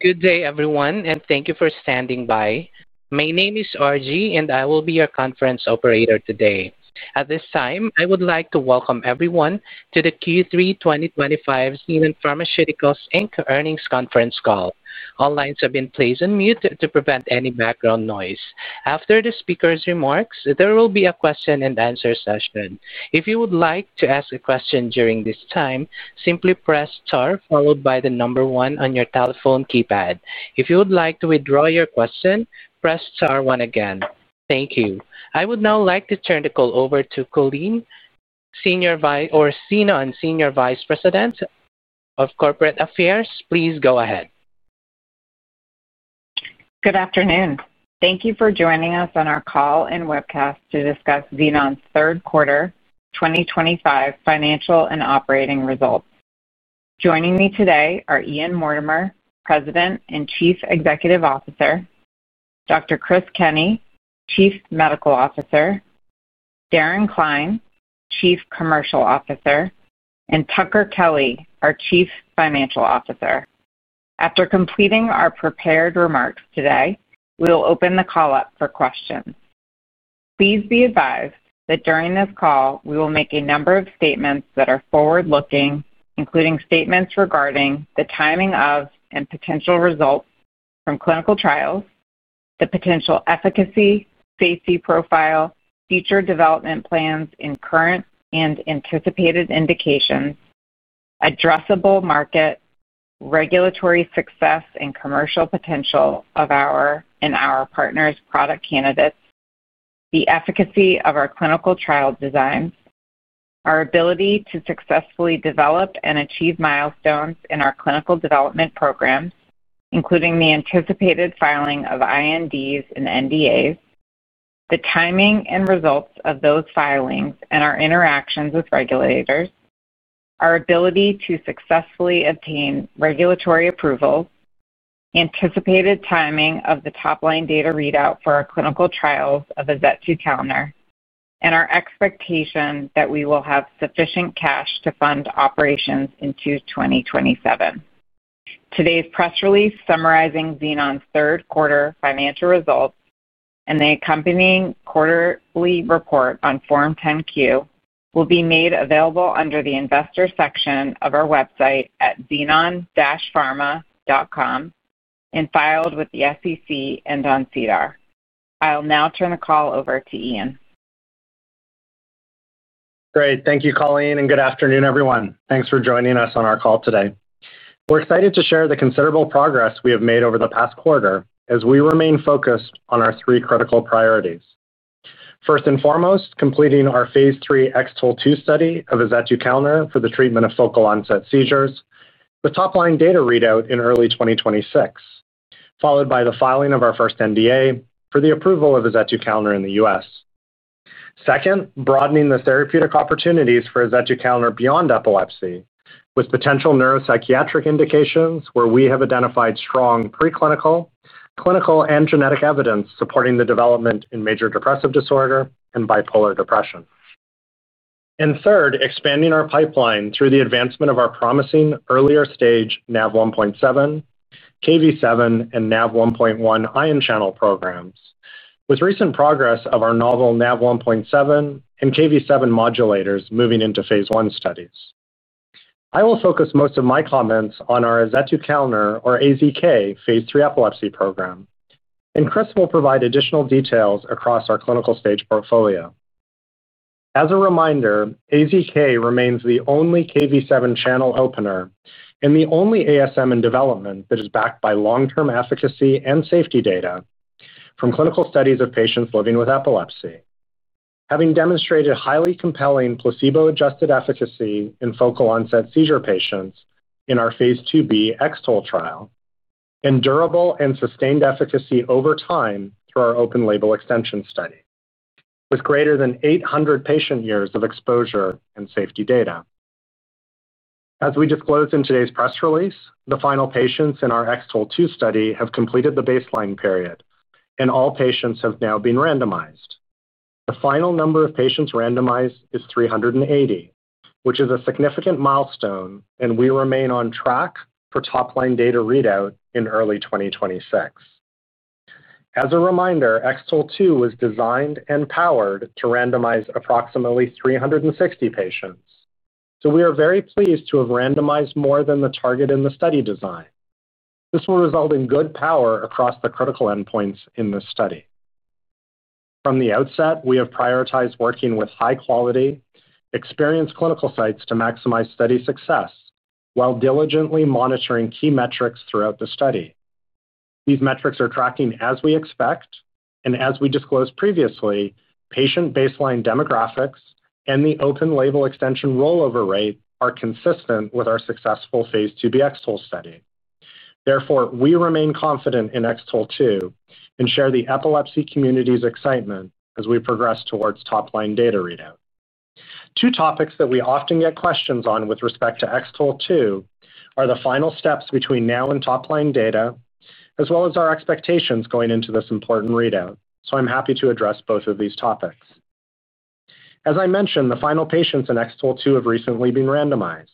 Good day, everyone, and thank you for standing by. My name is RG, and I will be your conference operator today. At this time, I would like to welcome everyone to the Q3 2025 Xenon Pharmaceuticals Inc's Earnings Conference Call. All lines have been placed on mute to prevent any background noise. After the speakers' remarks, there will be a question-and-answer session. If you would like to ask a question during this time, simply press * followed by the number 1 on your telephone keypad. If you would like to withdraw your question, press * again. Thank you. I would now like to turn the call over to Colleen Sinon, Senior Vice President of Corporate Affairs. Please go ahead. Good afternoon. Thank you for joining us on our call and webcast to discuss Xenon's third quarter 2025 financial and operating results. Joining me today are Ian Mortimer, President and Chief Executive Officer, Dr. Chris Kenney, Chief Medical Officer, Darren Cline, Chief Commercial Officer, and Tucker Kelly, our Chief Financial Officer. After completing our prepared remarks today, we will open the call up for questions. Please be advised that during this call, we will make a number of statements that are forward-looking, including statements regarding the timing of and potential results from clinical trials, the potential efficacy, safety profile, future development plans in current and anticipated indications, addressable market, regulatory success, and commercial potential of our and our partners' product candidates, the efficacy of our clinical trial designs, our ability to successfully develop and achieve milestones in our clinical development programs, including the anticipated filing of INDs and NDAs, the timing and results of those filings and our interactions with regulators, our ability to successfully obtain regulatory approval, anticipated timing of the top-line data readout for our clinical trials of azetukalner, and our expectation that we will have sufficient cash to fund operations in 2027. Today's press release summarizing Xenon's third quarter financial results and the accompanying quarterly report on Form 10-Q will be made available under the Investor section of our website at xenon-pharma.com and filed with the SEC and on SEDAR. I'll now turn the call over to Ian. Great. Thank you, Colleen, and good afternoon, everyone. Thanks for joining us on our call today. We're excited to share the considerable progress we have made over the past quarter as we remain focused on our three critical priorities. First and foremost, completing our phase III X-TOLE2 study of azetukalner for the treatment of focal onset seizures, with the top-line data readout in early 2026. Followed by the filing of our first NDA for the approval of azetukalner in the U.S. Second, broadening the therapeutic opportunities for azetukalner beyond epilepsy with potential neuropsychiatric indications where we have identified strong preclinical, clinical, and genetic evidence supporting the development in major depressive disorder and bipolar depression. Third, expanding our pipeline through the advancement of our promising earlier stage Nav1.7, Kv7, and Nav1.1 ion channel programs, with recent progress of our novel Nav1.7 and Kv7 modulators moving into phase I studies. I will focus most of my comments on azetukalner, or AZK, phase III epilepsy program. Chris will provide additional details across our clinical stage portfolio. As a reminder, AZK remains the only Kv7 channel opener and the only ASM in development that is backed by long-term efficacy and safety data from clinical studies of patients living with epilepsy, having demonstrated highly compelling placebo-adjusted efficacy in focal onset seizure patients in our phase 2b X-TOLE trial, and durable and sustained efficacy over time through our open-label extension study with greater than 800 patient years of exposure and safety data. As we disclose in today's press release, the final patients in our X-TOLE2 study have completed the baseline period, and all patients have now been randomized. The final number of patients randomized is 380, which is a significant milestone, and we remain on track for top-line data readout in early 2026. As a reminder, X-TOLE2 was designed and powered to randomize approximately 360 patients, so we are very pleased to have randomized more than the target in the study design. This will result in good power across the critical endpoints in this study. From the outset, we have prioritized working with high-quality, experienced clinical sites to maximize study success while diligently monitoring key metrics throughout the study. These metrics are tracking as we expect, and as we disclosed previously, patient baseline demographics and the open-label extension rollover rate are consistent with our successful phase 2b X-TOLE study. Therefore, we remain confident in X-TOLE2 and share the epilepsy community's excitement as we progress towards top-line data readout. Two topics that we often get questions on with respect to X-TOLE2 are the final steps between now and top-line data, as well as our expectations going into this important readout. I'm happy to address both of these topics. As I mentioned, the final patients in X-TOLE2 have recently been randomized.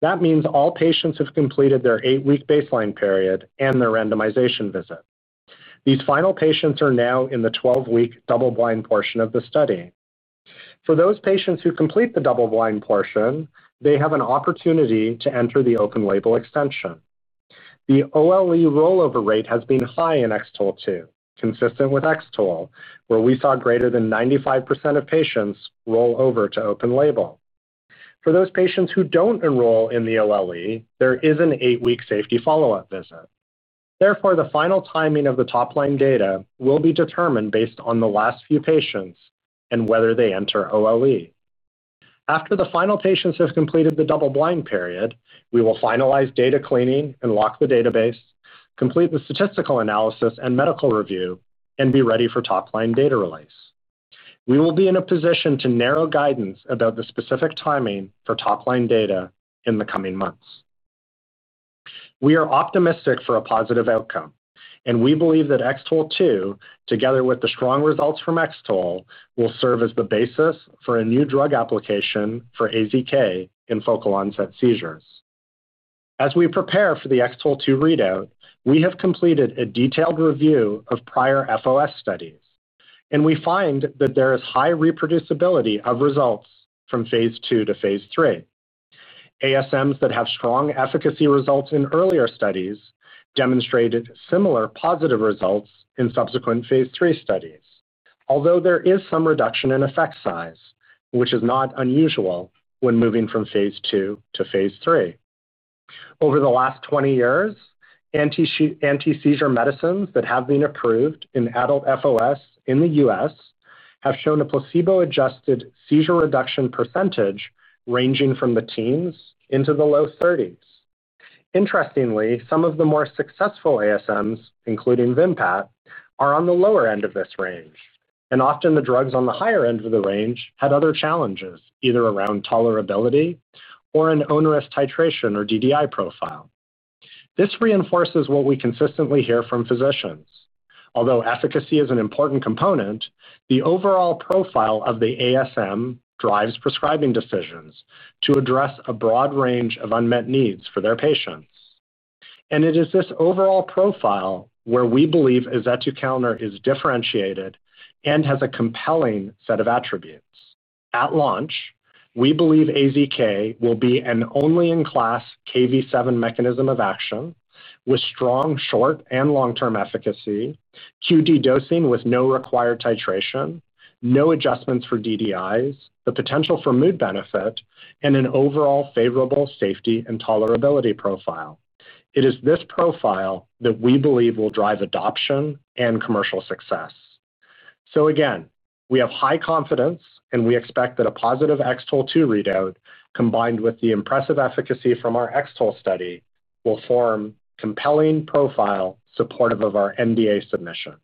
That means all patients have completed their eight-week baseline period and their randomization visit. These final patients are now in the 12-week double-blind portion of the study. For those patients who complete the double-blind portion, they have an opportunity to enter the open-label extension. The OLE rollover rate has been high in X-TOLE2, consistent with X-TOLE, where we saw greater than 95% of patients roll over to open label. For those patients who do not enroll in the OLE, there is an eight-week safety follow-up visit. Therefore, the final timing of the top-line data will be determined based on the last few patients and whether they enter OLE. After the final patients have completed the double-blind period, we will finalize data cleaning and lock the database, complete the statistical analysis and medical review, and be ready for top-line data release. We will be in a position to narrow guidance about the specific timing for top-line data in the coming months. We are optimistic for a positive outcome, and we believe that X-TOLE2, together with the strong results from X-TOLE, will serve as the basis for a new drug application for AZK in focal onset seizures. As we prepare for the X-TOLE2 readout, we have completed a detailed review of prior FOS studies, and we find that there is high reproducibility of results from phase II to phase III. ASMs that have strong efficacy results in earlier studies demonstrated similar positive results in subsequent phase III studies, although there is some reduction in effect size, which is not unusual when moving from phase II to phase III. Over the last 20 years, anti-seizure medicines that have been approved in adult FOS in the U.S. have shown a placebo-adjusted seizure reduction percentage ranging from the teens into the low 30s. Interestingly, some of the more successful ASMs, including Vimpat, are on the lower end of this range, and often the drugs on the higher end of the range had other challenges, either around tolerability or an onerous titration or DDI profile. This reinforces what we consistently hear from physicians. Although efficacy is an important component, the overall profile of the ASM drives prescribing decisions to address a broad range of unmet needs for their patients. It is this overall profile where we believe azetukalner is differentiated and has a compelling set of attributes. At launch, we believe AZK will be an only-in-class Kv7 mechanism of action with strong short and long-term efficacy, QD dosing with no required titration, no adjustments for DDIs, the potential for mood benefit, and an overall favorable safety and tolerability profile. It is this profile that we believe will drive adoption and commercial success. We have high confidence, and we expect that a positive X-TOLE2 readout, combined with the impressive efficacy from our X-TOLE study, will form a compelling profile supportive of our NDA submission.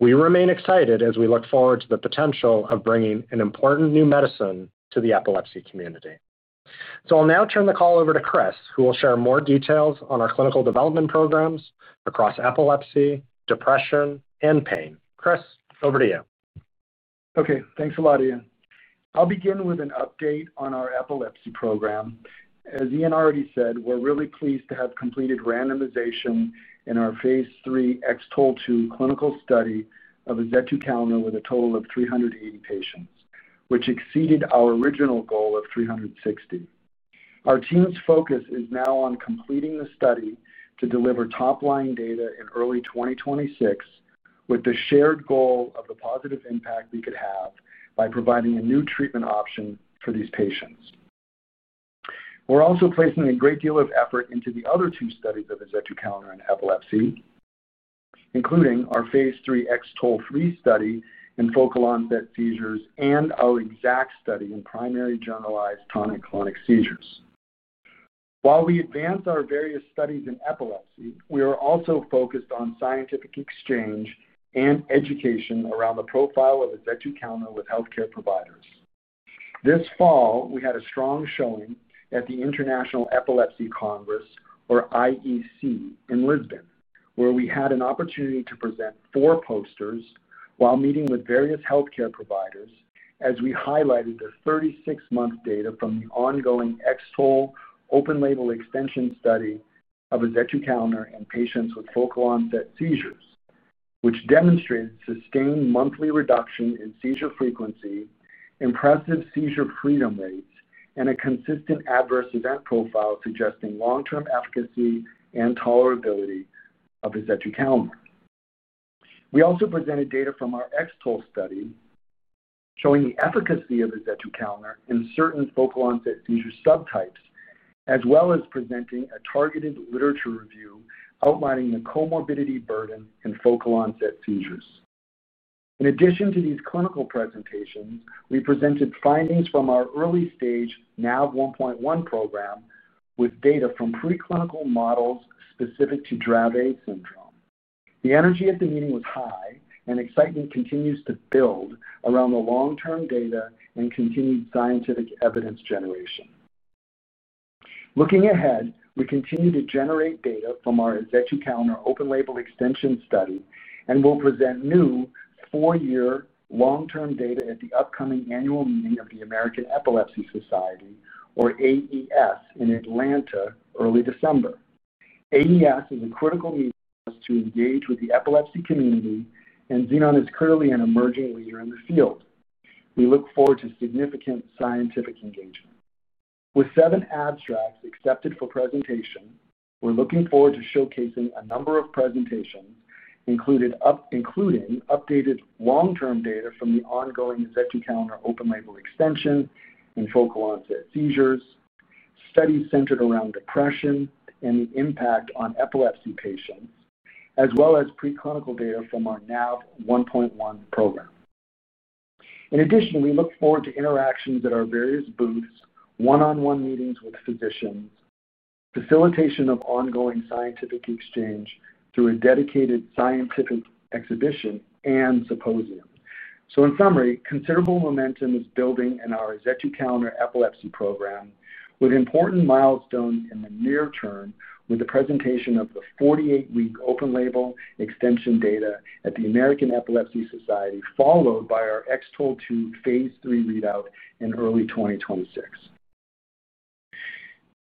We remain excited as we look forward to the potential of bringing an important new medicine to the epilepsy community. I will now turn the call over to Chris, who will share more details on our clinical development programs across epilepsy, depression, and pain. Chris, over to you. Okay. Thanks a lot, Ian. I'll begin with an update on our epilepsy program. As Ian already said, we're really pleased to have completed randomization in our phase III X-TOLE2 clinical study of azetukalner with a total of 380 patients, which exceeded our original goal of 360. Our team's focus is now on completing the study to deliver top-line data in early 2026 with the shared goal of the positive impact we could have by providing a new treatment option for these patients. We're also placing a great deal of effort into the other two studies of azetukalner in epilepsy, including our phase III X-TOLE3 study in focal onset seizures and our X-ACKT study in primary generalized tonic-clonic seizures. While we advance our various studies in epilepsy, we are also focused on scientific exchange and education around the profile of azetukalner with healthcare providers. This fall, we had a strong showing at the International Epilepsy Congress, or IEC, in Lisbon, where we had an opportunity to present four posters while meeting with various healthcare providers as we highlighted the 36-month data from the ongoing X-TOLE open-label extension study of azetukalner in patients with focal onset seizures, which demonstrated sustained monthly reduction in seizure frequency, impressive seizure freedom rates, and a consistent adverse event profile suggesting long-term efficacy and tolerability of azetukalner. We also presented data from our X-TOLE study showing the efficacy of azetukalner in certain focal onset seizure subtypes, as well as presenting a targeted literature review outlining the comorbidity burden in focal onset seizures. In addition to these clinical presentations, we presented findings from our early stage Nav1.1 program with data from preclinical models specific to Dravet syndrome. The energy at the meeting was high, and excitement continues to build around the long-term data and continued scientific evidence generation. Looking ahead, we continue to generate data from our azetukalner open-label extension study and will present new four-year long-term data at the upcoming annual meeting of the American Epilepsy Society, or AES, in Atlanta early December. AES is a critical meeting for us to engage with the epilepsy community, and Xenon is clearly an emerging leader in the field. We look forward to significant scientific engagement. With seven abstracts accepted for presentation, we're looking forward to showcasing a number of presentations, including updated long-term data from the ongoing azetukalner open-label extension in focal onset seizures, studies centered around depression and the impact on epilepsy patients, as well as preclinical data from our Nav1.1 program. In addition, we look forward to interactions at our various booths, one-on-one meetings with physicians, facilitation of ongoing scientific exchange through a dedicated scientific exhibition and symposium. In summary, considerable momentum is building in our azetukalner epilepsy program with important milestones in the near term with the presentation of the 48-week open-label extension data at the American Epilepsy Society, followed by our X-TOLE2 phase III readout in early 2026.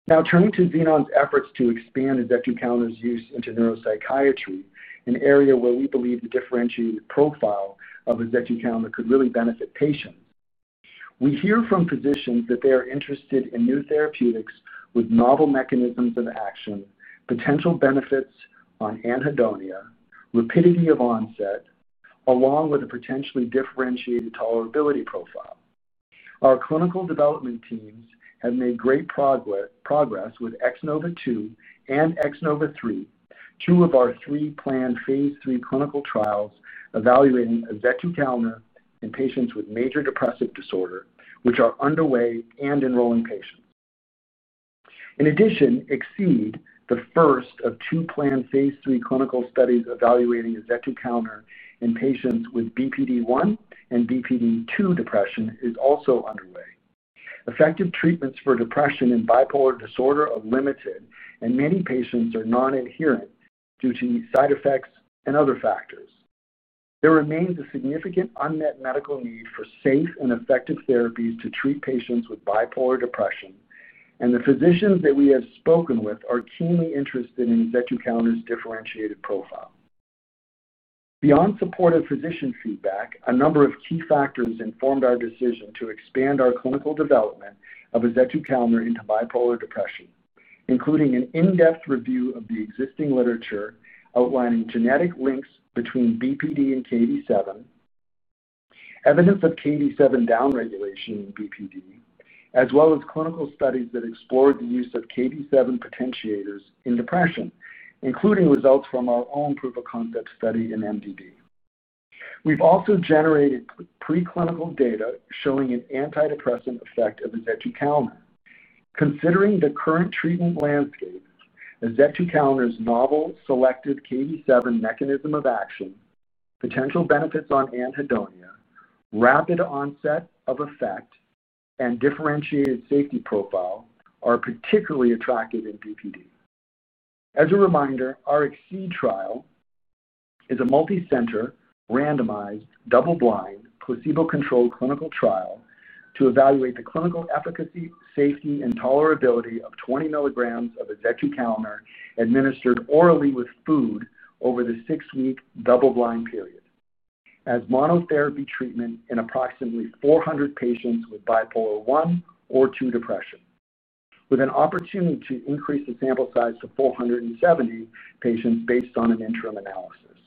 Now, turning to Xenon's efforts to expand azetukalner's use into neuropsychiatry, an area where we believe the differentiated profile of azetukalner could really benefit patients, we hear from physicians that they are interested in new therapeutics with novel mechanisms of action, potential benefits on anhedonia, rapidity of onset, along with a potentially differentiated tolerability profile. Our clinical development teams have made great progress with X-NOVA2 and X-NOVA3, two of our three planned phase III clinical trials evaluating azetukalner in patients with major depressive disorder, which are underway and enrolling patients. In addition, X-ACKT, the first of two planned phase III clinical studies evaluating azetukalner in patients with BPD I and BPD II depression, is also underway. Effective treatments for depression and bipolar disorder are limited, and many patients are non-adherent due to side effects and other factors. There remains a significant unmet medical need for safe and effective therapies to treat patients with bipolar depression, and the physicians that we have spoken with are keenly interested in azetukalner's differentiated profile. Beyond supportive physician feedback, a number of key factors informed our decision to expand our clinical development of azetukalner into bipolar depression, including an in-depth review of the existing literature outlining genetic links between bipolar disorder and Kv7. Evidence of Kv7 downregulation in bipolar disorder, as well as clinical studies that explore the use of Kv7 potentiators in depression, including results from our own proof-of-concept study in major depressive disorder. We've also generated preclinical data showing an antidepressant effect of azetukalner. Considering the current treatment landscape, azetukalner's novel selective Kv7 mechanism of action, potential benefits on anhedonia, rapid onset of effect, and differentiated safety profile are particularly attractive in bipolar disorder. As a reminder, our X-ACKT trial is a multi-center, randomized, double-blind, placebo-controlled clinical trial to evaluate the clinical efficacy, safety, and tolerability of 20 milligrams of azetukalner administered orally with food over the six-week double-blind period as monotherapy treatment in approximately 400 patients with bipolar I or II depression, with an opportunity to increase the sample size to 470 patients based on an interim analysis.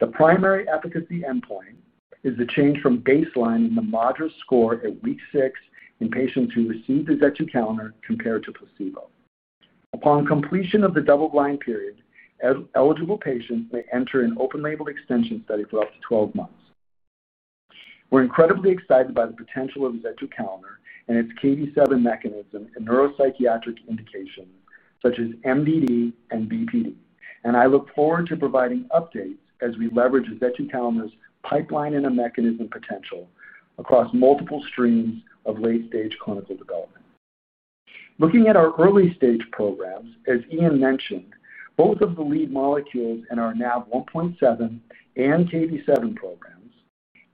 The primary efficacy endpoint is the change from baseline in the MADRS score at week six in patients who received azetukalner compared to placebo. Upon completion of the double-blind period, eligible patients may enter an open-label extension study for up to 12 months. We're incredibly excited by the potential of azetukalner and its Kv7 mechanism in neuropsychiatric indications such as MDD and BPD. I look forward to providing updates as we leverage azetukalner's pipeline and mechanism potential across multiple streams of late-stage clinical development. Looking at our early stage programs, as Ian mentioned, both of the lead molecules in our Nav1.7 and Kv7 programs,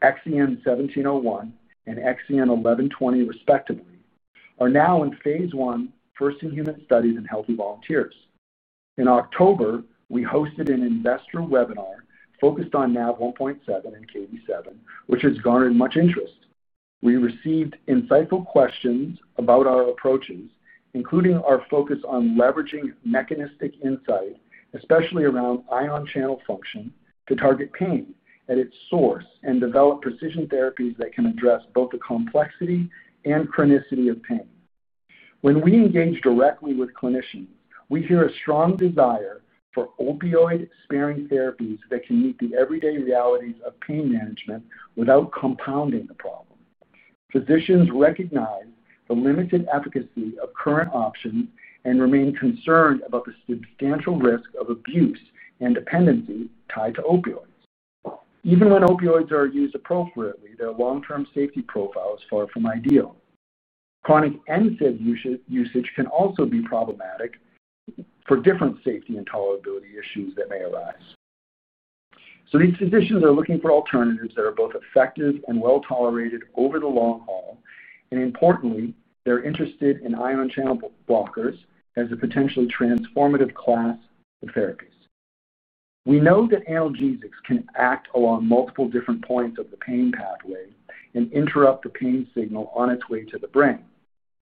XEN1701 and XEN1120 respectively, are now in phase I first-in-human studies in healthy volunteers. In October, we hosted an investor webinar focused on Nav1.7 and Kv7, which has garnered much interest. We received insightful questions about our approaches, including our focus on leveraging mechanistic insight, especially around ion channel function, to target pain at its source and develop precision therapies that can address both the complexity and chronicity of pain. When we engage directly with clinicians, we hear a strong desire for opioid-sparing therapies that can meet the everyday realities of pain management without compounding the problem. Physicians recognize the limited efficacy of current options and remain concerned about the substantial risk of abuse and dependency tied to opioids. Even when opioids are used appropriately, their long-term safety profile is far from ideal. Chronic NSAID usage can also be problematic for different safety and tolerability issues that may arise. These physicians are looking for alternatives that are both effective and well-tolerated over the long haul, and importantly, they're interested in ion channel blockers as a potentially transformative class of therapies. We know that analgesics can act along multiple different points of the pain pathway and interrupt the pain signal on its way to the brain.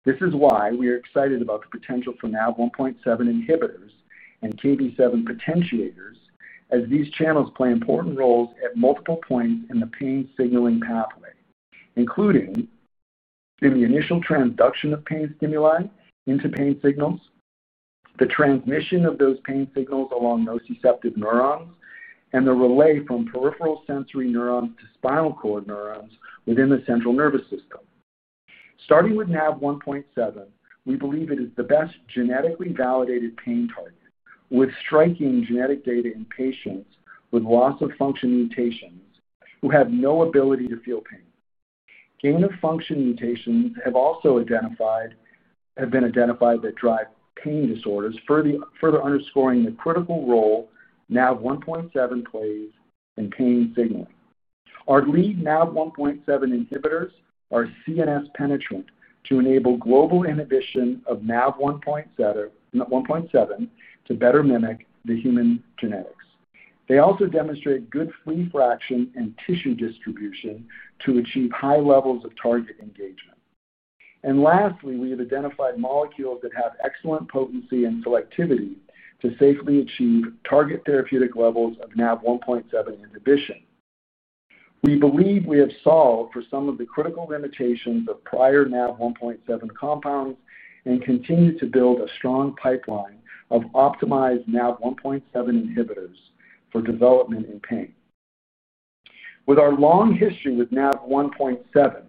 This is why we are excited about the potential for Nav1.7 inhibitors and Kv7 potentiators, as these channels play important roles at multiple points in the pain signaling pathway, including in the initial transduction of pain stimuli into pain signals, the transmission of those pain signals along nociceptive neurons, and the relay from peripheral sensory neurons to spinal cord neurons within the central nervous system. Starting with Nav1.7, we believe it is the best genetically validated pain target, with striking genetic data in patients with loss of function mutations who have no ability to feel pain. Gain of function mutations have also been identified that drive pain disorders, further underscoring the critical role Nav1.7 plays in pain signaling. Our lead Nav1.7 inhibitors are CNS-penetrant to enable global inhibition of Nav1.7 to better mimic the human genetics. They also demonstrate good free fraction and tissue distribution to achieve high levels of target engagement. Lastly, we have identified molecules that have excellent potency and selectivity to safely achieve target therapeutic levels of Nav1.7 inhibition. We believe we have solved for some of the critical limitations of prior Nav1.7 compounds and continue to build a strong pipeline of optimized Nav1.7 inhibitors for development in pain. With our long history with Nav1.7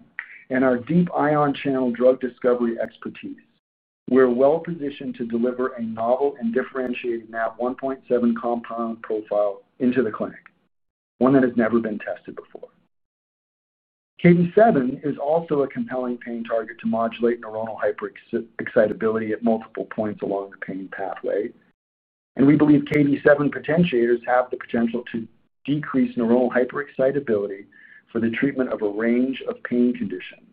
and our deep ion channel drug discovery expertise, we're well-positioned to deliver a novel and differentiated Nav1.7 compound profile into the clinic, one that has never been tested before. Kv7 is also a compelling pain target to modulate neuronal hyperexcitability at multiple points along the pain pathway, and we believe Kv7 potentiators have the potential to decrease neuronal hyperexcitability for the treatment of a range of pain conditions.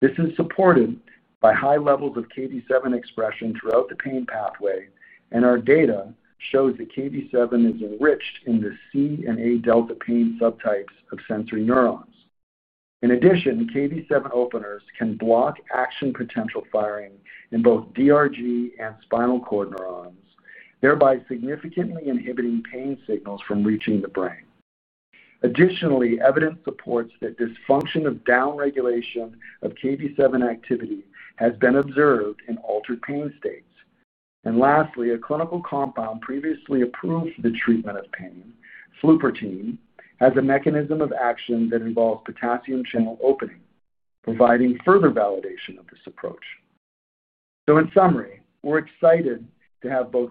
This is supported by high levels of Kv7 expression throughout the pain pathway, and our data shows that Kv7 is enriched in the C and A delta pain subtypes of sensory neurons. In addition, Kv7 openers can block action potential firing in both DRG and spinal cord neurons, thereby significantly inhibiting pain signals from reaching the brain. Additionally, evidence supports that dysfunction or downregulation of Kv7 activity has been observed in altered pain states. Lastly, a clinical compound previously approved for the treatment of pain, flupirtine, has a mechanism of action that involves potassium channel opening, providing further validation of this approach. In summary, we're excited to have both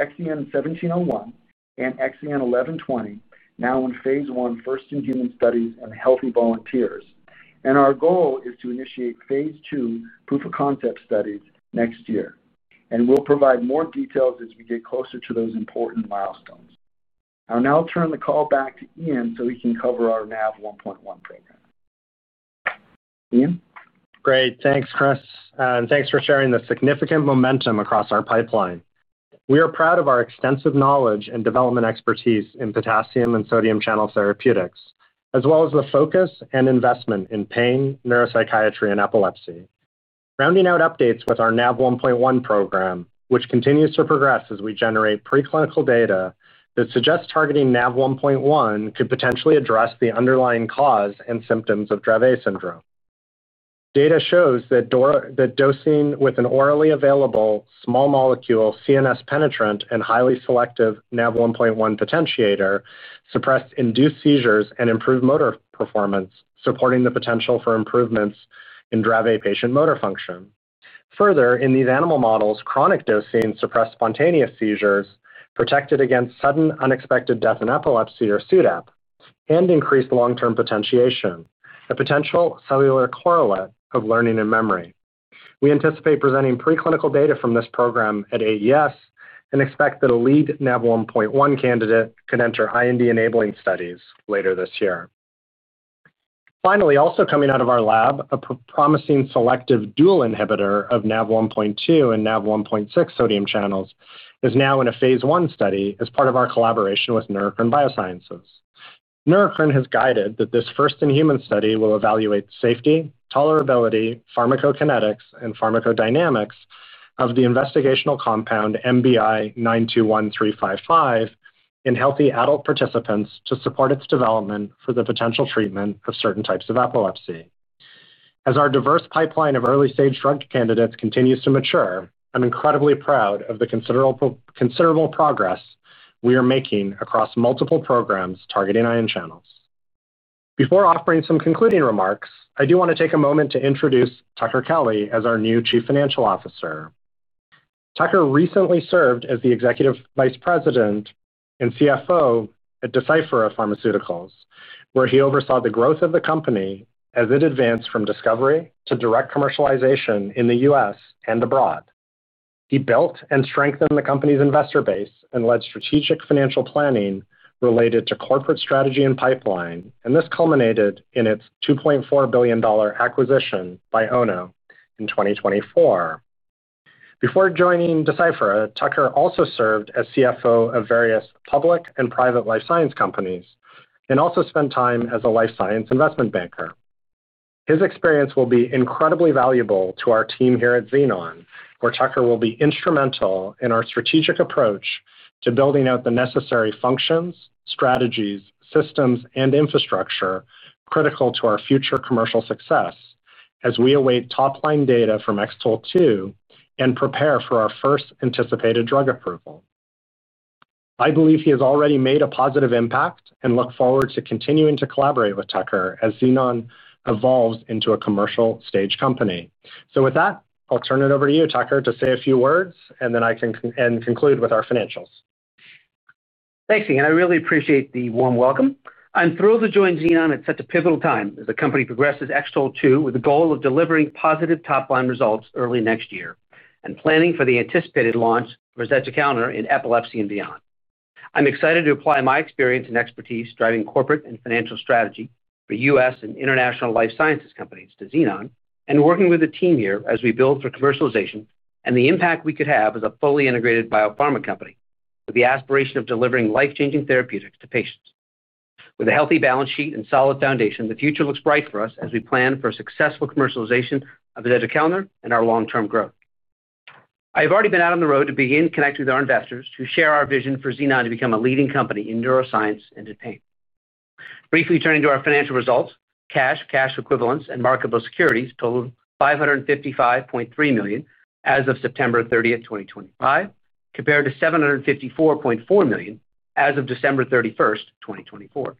XEN1701 and XEN1120 now in phase I first-in-human studies in healthy volunteers, and our goal is to initiate phase II proof-of-concept studies next year, and we'll provide more details as we get closer to those important milestones. I'll now turn the call back to Ian so he can cover our Nav1.1 program. Ian? Great. Thanks, Chris, and thanks for sharing the significant momentum across our pipeline. We are proud of our extensive knowledge and development expertise in potassium and sodium channel therapeutics, as well as the focus and investment in pain, neuropsychiatry, and epilepsy. Rounding out updates with our Nav1.1 program, which continues to progress as we generate preclinical data that suggests targeting Nav1.1 could potentially address the underlying cause and symptoms of Dravet syndrome. Data shows that dosing with an orally available small molecule CNS-penetrant and highly selective Nav1.1 potentiator suppressed induced seizures and improved motor performance, supporting the potential for improvements in Dravet patient motor function. Further, in these animal models, chronic dosing suppressed spontaneous seizures, protected against sudden unexpected death in epilepsy or SUDEP, and increased long-term potentiation, a potential cellular correlate of learning and memory. We anticipate presenting preclinical data from this program at AES and expect that a lead Nav1.1 candidate could enter IND-enabling studies later this year. Finally, also coming out of our lab, a promising selective dual inhibitor of Nav1.2 and Nav1.6 sodium channels is now in a phase I study as part of our collaboration with Neurocrine Biosciences. Neurocrine has guided that this first-in-human study will evaluate safety, tolerability, pharmacokinetics, and pharmacodynamics of the investigational compound NBI-921355 in healthy adult participants to support its development for the potential treatment of certain types of epilepsy. As our diverse pipeline of early-stage drug candidates continues to mature, I'm incredibly proud of the considerable progress we are making across multiple programs targeting ion channels. Before offering some concluding remarks, I do want to take a moment to introduce Tucker Kelly as our new Chief Financial Officer. Tucker recently served as the Executive Vice President and CFO at Deciphera Pharmaceuticals, where he oversaw the growth of the company as it advanced from discovery to direct commercialization in the U.S. and abroad. He built and strengthened the company's investor base and led strategic financial planning related to corporate strategy and pipeline, and this culminated in its $2.4 billion acquisition by Ono in 2024. Before joining Deciphera, Tucker also served as CFO of various public and private life science companies and also spent time as a life science investment banker. His experience will be incredibly valuable to our team here at Xenon, where Tucker will be instrumental in our strategic approach to building out the necessary functions, strategies, systems, and infrastructure critical to our future commercial success as we await top-line data from X-TOLE2 and prepare for our first anticipated drug approval. I believe he has already made a positive impact and look forward to continuing to collaborate with Tucker as Xenon evolves into a commercial-stage company. With that, I'll turn it over to you, Tucker, to say a few words, and then I can conclude with our financials. Thanks, Ian. I really appreciate the warm welcome. I'm thrilled to join Xenon at such a pivotal time as the company progresses X-TOLE2 with the goal of delivering positive top-line results early next year and planning for the anticipated launch of azetukalner in epilepsy and beyond. I'm excited to apply my experience and expertise driving corporate and financial strategy for U.S. and international life sciences companies to Xenon and working with the team here as we build for commercialization and the impact we could have as a fully integrated biopharma company with the aspiration of delivering life-changing therapeutics to patients. With a healthy balance sheet and solid foundation, the future looks bright for us as we plan for successful commercialization of azetukalner and our long-term growth. I have already been out on the road to begin connecting with our investors to share our vision for Xenon to become a leading company in neuroscience and in pain. Briefly turning to our financial results, cash, cash equivalents, and marketable securities totaled $555.3 million as of September 30, 2025, compared to $754.4 million as of December 31, 2024.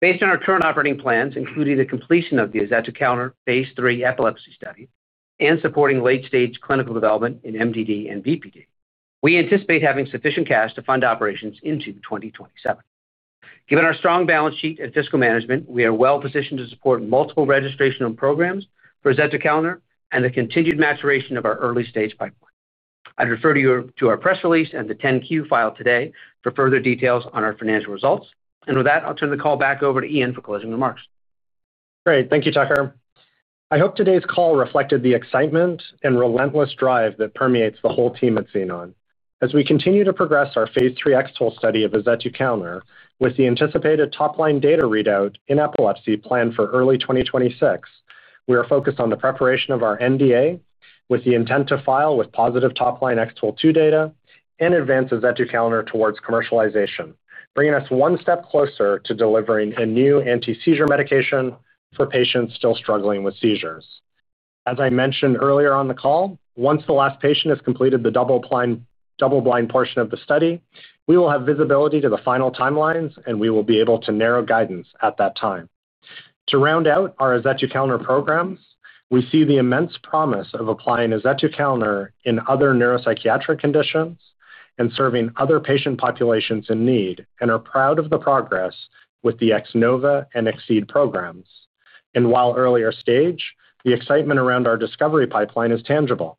Based on our current operating plans, including the completion of the azetukalner phase III epilepsy study and supporting late-stage clinical development in MDD and BPD, we anticipate having sufficient cash to fund operations into 2027. Given our strong balance sheet and fiscal management, we are well-positioned to support multiple registration programs for azetukalner and the continued maturation of our early-stage pipeline. I'd refer to our press release and the 10-Q filed today for further details on our financial results. With that, I'll turn the call back over to Ian for closing remarks. Great. Thank you, Tucker. I hope today's call reflected the excitement and relentless drive that permeates the whole team at Xenon. As we continue to progress our phase III X-TOLE study of azetukalner with the anticipated top-line data readout in epilepsy planned for early 2026, we are focused on the preparation of our NDA with the intent to file with positive top-line X-TOLE2 data and advance azetukalner towards commercialization, bringing us one step closer to delivering a new anti-seizure medication for patients still struggling with seizures. As I mentioned earlier on the call, once the last patient has completed the double-blind portion of the study, we will have visibility to the final timelines, and we will be able to narrow guidance at that time. To round out our XEN1101 calendar programs, we see the immense promise of applying XEN1101 in other neuropsychiatric conditions and serving other patient populations in need and are proud of the progress with the X-NOVA and X-ACKT programs. While earlier stage, the excitement around our discovery pipeline is tangible.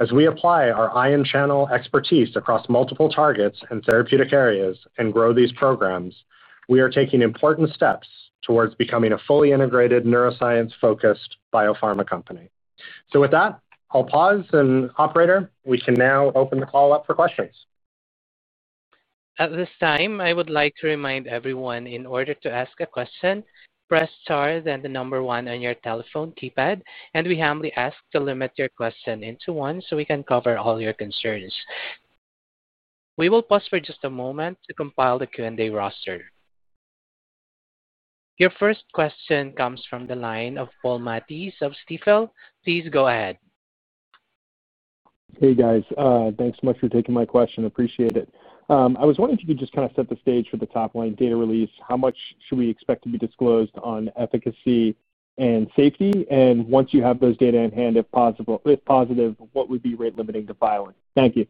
As we apply our ion channel expertise across multiple targets and therapeutic areas and grow these programs, we are taking important steps towards becoming a fully integrated neuroscience-focused biopharma company. With that, I'll pause and, Operator, we can now open the call up for questions. At this time, I would like to remind everyone in order to ask a question, press star then the number one on your telephone keypad, and we humbly ask to limit your question into one so we can cover all your concerns. We will pause for just a moment to compile the Q&A roster. Your first question comes from the line of Paul Matteis of Stifel. Please go ahead. Hey, guys. Thanks so much for taking my question. Appreciate it. I was wondering if you could just kind of set the stage for the top-line data release. How much should we expect to be disclosed on efficacy and safety? Once you have those data in hand, if positive, what would be rate-limiting to filing? Thank you.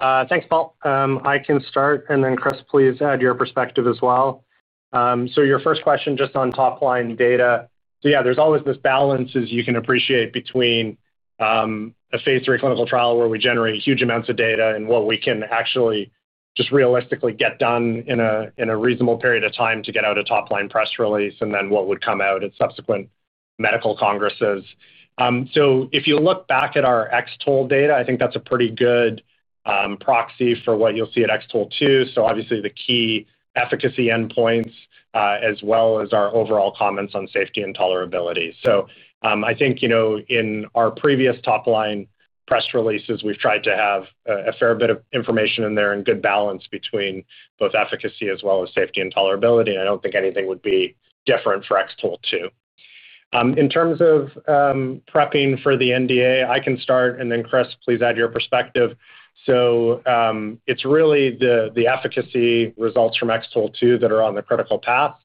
Thanks, Paul. I can start, and then, Chris, please add your perspective as well. Your first question just on top-line data. Yeah, there's always this balance, as you can appreciate, between a phase III clinical trial where we generate huge amounts of data and what we can actually just realistically get done in a reasonable period of time to get out a top-line press release and then what would come out at subsequent medical congresses. If you look back at our X-TOLE data, I think that's a pretty good proxy for what you'll see at X-TOLE2. Obviously, the key efficacy endpoints as well as our overall comments on safety and tolerability. In our previous top-line press releases, we've tried to have a fair bit of information in there and good balance between both efficacy as well as safety and tolerability, and I don't think anything would be different for X-TOLE2. In terms of prepping for the NDA, I can start, and then, Chris, please add your perspective. It's really the efficacy results from X-TOLE2 that are on the critical path.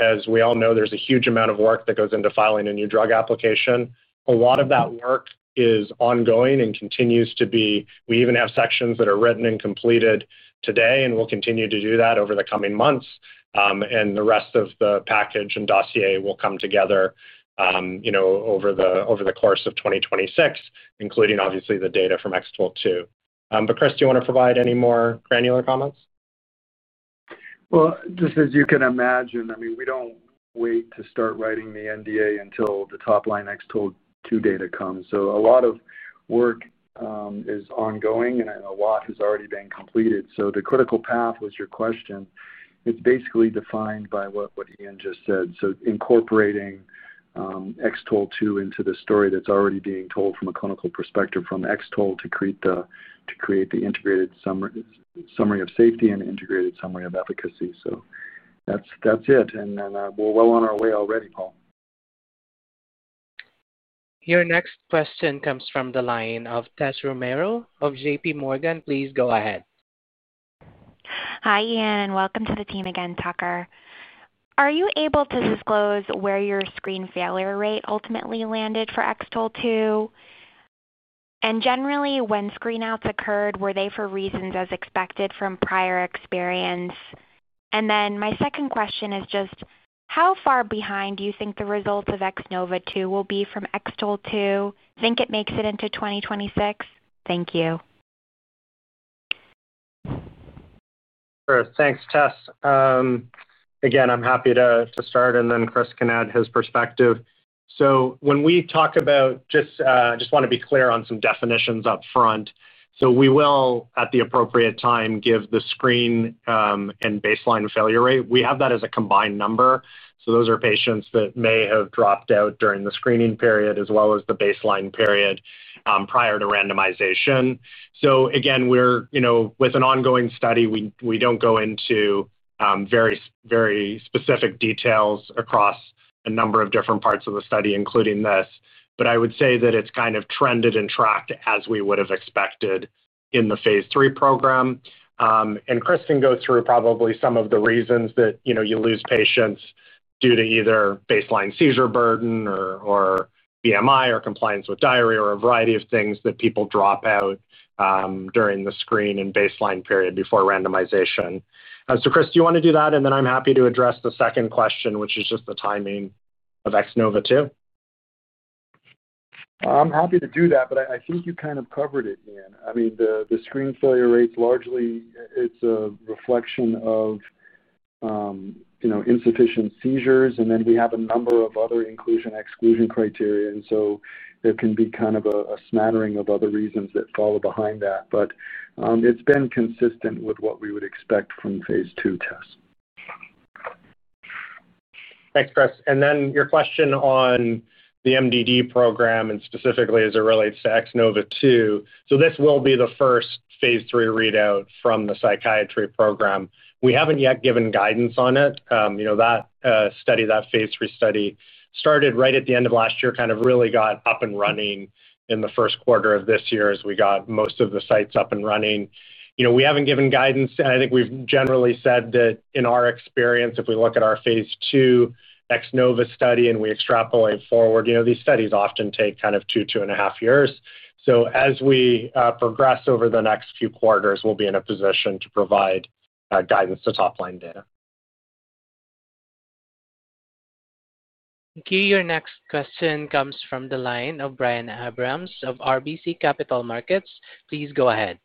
As we all know, there's a huge amount of work that goes into filing a new drug application. A lot of that work is ongoing and continues to be. We even have sections that are written and completed today, and we'll continue to do that over the coming months, and the rest of the package and dossier will come together. Over the course of 2026, including obviously the data from X-TOLE2. Chris, do you want to provide any more granular comments? Just as you can imagine, I mean, we don't wait to start writing the NDA until the top-line X-TOLE2 data comes. A lot of work is ongoing, and a lot has already been completed. The critical path, was your question, it's basically defined by what Ian just said. Incorporating X-TOLE2 into the story that's already being told from a clinical perspective from X-TOLE to create the integrated summary of safety and integrated summary of efficacy. That's it. We're well on our way already, Paul. Your next question comes from the line of Tessa Romero of JPMorgan. Please go ahead. Hi, Ian, and welcome to the team again, Tucker. Are you able to disclose where your screen failure rate ultimately landed for X-TOLE2? Generally, when screenouts occurred, were they for reasons as expected from prior experience? My second question is just, how far behind do you think the results of X-NOVA2 will be from X-TOLE2? Think it makes it into 2026? Thank you. Sure. Thanks, Tess. Again, I'm happy to start, and then Chris can add his perspective. When we talk about just, want to be clear on some definitions upfront. We will, at the appropriate time, give the screen and baseline failure rate. We have that as a combined number. Those are patients that may have dropped out during the screening period as well as the baseline period prior to randomization. With an ongoing study, we don't go into very specific details across a number of different parts of the study, including this. I would say that it's kind of trended and tracked as we would have expected in the phase III program. Chris can go through probably some of the reasons that you lose patients due to either baseline seizure burden or BMI or compliance with diary or a variety of things that people drop out during the screen and baseline period before randomization. Chris, do you want to do that? I'm happy to address the second question, which is just the timing of X-NOVA2. I'm happy to do that, but I think you kind of covered it, Ian. The screen failure rate's largely a reflection of insufficient seizures, and then we have a number of other inclusion/exclusion criteria. There can be kind of a smattering of other reasons that follow behind that. It's been consistent with what we would expect from phase II. Tess. Thanks, Chris. Your question on the MDD program and specifically as it relates to X-NOVA2. So this will be the first phase III readout from the psychiatry program. We haven't yet given guidance on it. That study, that phase III study, started right at the end of last year, kind of really got up and running in the first quarter of this year as we got most of the sites up and running. We haven't given guidance. I think we've generally said that in our experience, if we look at our phase II X-NOVA study and we extrapolate forward, these studies often take kind of two, two and a half years. As we progress over the next few quarters, we'll be in a position to provide guidance to top-line data. Your next question comes from the line of Brian Abrahams of RBC Capital Markets. Please go ahead.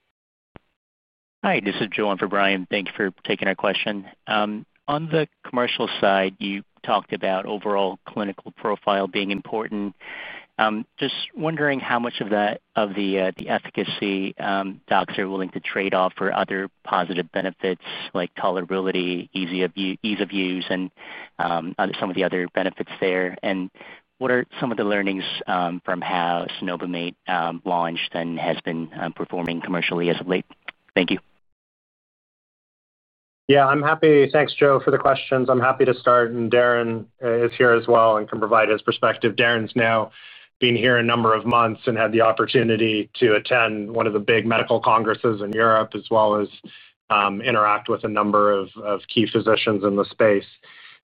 Hi. This is Joel for Brian. Thank you for taking our question. On the commercial side, you talked about overall clinical profile being important. Just wondering how much of the efficacy docs are willing to trade off for other positive benefits like tolerability, ease of use, and some of the other benefits there. And what are some of the learnings from how Cenobamate launched and has been performing commercially as of late? Thank you. Yeah. Thanks, Joe, for the questions. I'm happy to start. Darren is here as well and can provide his perspective. Darren's now been here a number of months and had the opportunity to attend one of the big medical congresses in Europe as well as interact with a number of key physicians in the space.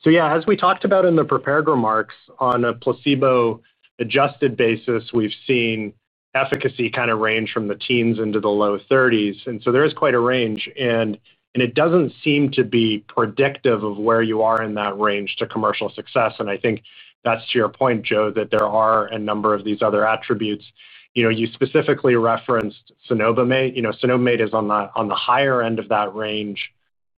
As we talked about in the prepared remarks, on a placebo-adjusted basis, we've seen efficacy kind of range from the teens into the low 30s. There is quite a range. It doesn't seem to be predictive of where you are in that range to commercial success. I think that's to your point, Joe, that there are a number of these other attributes. You specifically referenced Cenobamate. Cenobamate is on the higher end of that range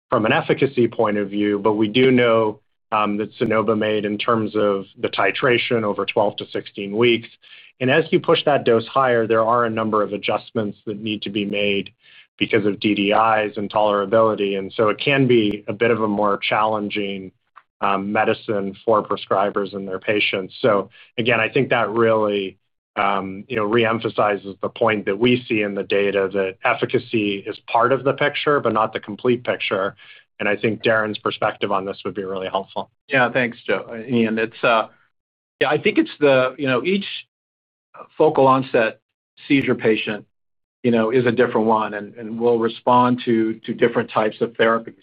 from an efficacy point of view, but we do know that Cenobamate, in terms of the titration over 12-16 weeks, and as you push that dose higher, there are a number of adjustments that need to be made because of DDIs and tolerability. It can be a bit of a more challenging medicine for prescribers and their patients. I think that really reemphasizes the point that we see in the data that efficacy is part of the picture, but not the complete picture. I think Darren's perspective on this would be really helpful. Yeah. Thanks, Joe. Ian. I think each focal onset seizure patient is a different one and will respond to different types of therapies.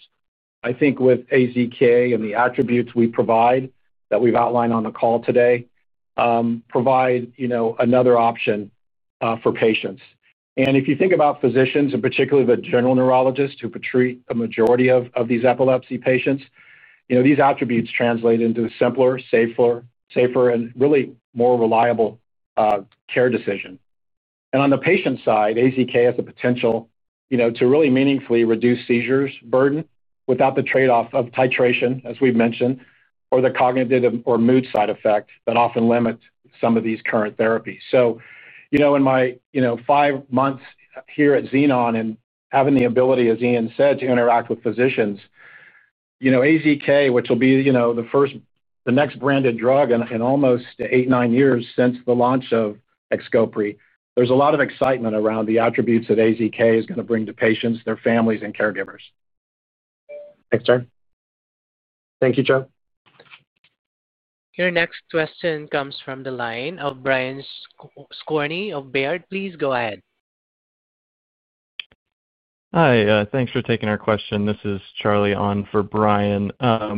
I think with AZK and the attributes we provide that we've outlined on the call today, we provide another option for patients. If you think about physicians, and particularly the general neurologists who treat a majority of these epilepsy patients, these attributes translate into a simpler, safer, and really more reliable care decision. On the patient side, AZK has the potential to really meaningfully reduce seizure burden without the trade-off of titration, as we've mentioned, or the cognitive or mood side effect that often limit some of these current therapies. In my five months here at Xenon and having the ability, as Ian said, to interact with physicians, AZK, which will be the next branded drug in almost eight, nine years since the launch of Xcopri, there's a lot of excitement around the attributes that AZK is going to bring to patients, their families, and caregivers. Thank you, Joe. Your next question comes from the line of Brian Skorney of Baird. Please go ahead. Hi. Thanks for taking our question. This is Charlie on for Brian. Are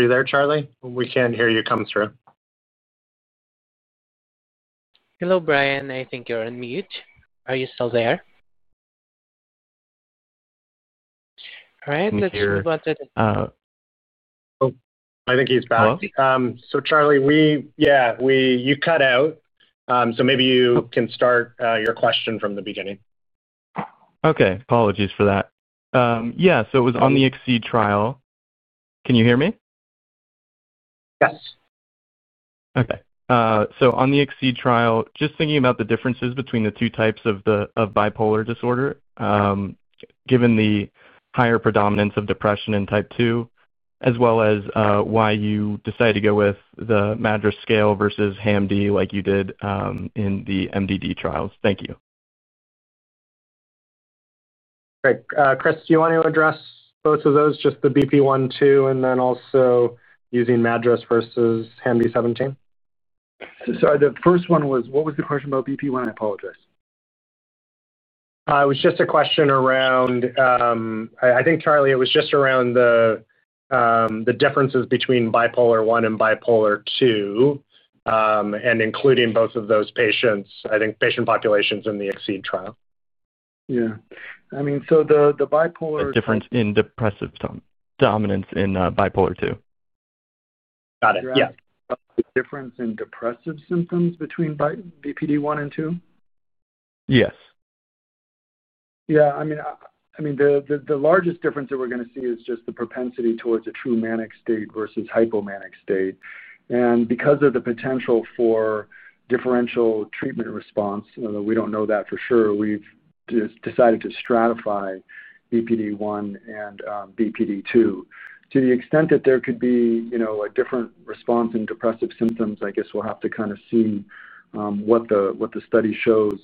you there, Charlie? We can hear you come through. Hello, Brian. I think you're on mute. Are you still there? All right. Let's see about the— I think he's back. So Charlie, yeah, you cut out. Maybe you can start your question from the beginning. Okay. Apologies for that. Yeah. It was on the X-ACKT trial. Can you hear me? Yes. Okay. On the X-ACKT trial, just thinking about the differences between the two types of bipolar disorder. Given the higher predominance of depression in type 2, as well as why you decided to go with the MADRS scale versus HamD like you did in the MDD trials. Thank you. Great. Chris, do you want to address both of those, just the BP1/2 and then also using MADRS versus HamD 17? Sorry. The first one was what was the question about BP1? I apologize. It was just a question around—I think, Charlie, it was just around the differences between bipolar I and bipolar II and including both of those patient populations in the X-ACKT trial. Yeah. I mean, the bipolar. Difference in depressive dominance in bipolar II. Got it. Yeah. The difference in depressive symptoms between BPD I and II? Yes. Yeah. The largest difference that we're going to see is just the propensity towards a true manic state versus hypomanic state. Because of the potential for differential treatment response, although we do not know that for sure, we've just decided to stratify BPD I and BPD II. To the extent that there could be a different response in depressive symptoms, I guess we'll have to kind of see what the study shows.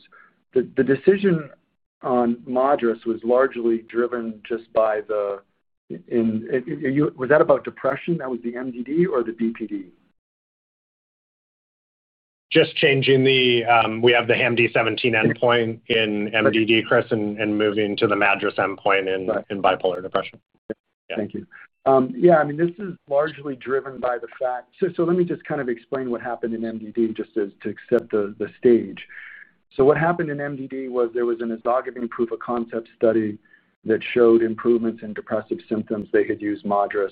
The decision on MADRS was largely driven just by the—was that about depression? That was the MDD or the BPD? Just changing the—we have the HamD 17 endpoint in MDD, Chris, and moving to the MADRS endpoint in bipolar depression. Thank you. Yeah. I mean, this is largely driven by the fact, so let me just kind of explain what happened in MDD just to set the stage. What happened in MDD was there was an exogenous proof of concept study that showed improvements in depressive symptoms. They had used MADRS.